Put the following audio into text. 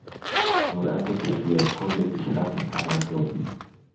سرعت بسیار کند پیشرفت تمدن